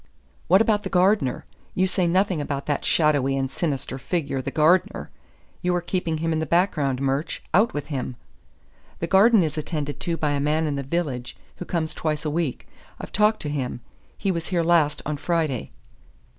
"What about the gardener? You say nothing about that shadowy and sinister figure, the gardener. You are keeping him in the background, Murch. Out with him!" "The garden is attended to by a man in the village, who comes twice a week. I've talked to him. He was here last on Friday."